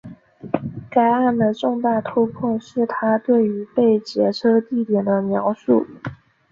该案的重大突破是她对于被劫车地点的描述。